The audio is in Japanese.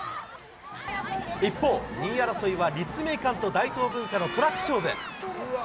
一方、２位争いは立命館と大東文化のトラック勝負。